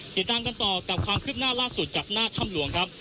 ติดตามกันต่อกับความคืบหน้าล่าสุดจากหน้าถ้ำหลวงครับ